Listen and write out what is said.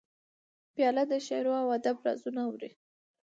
پیاله د شعرو او ادب رازونه اوري.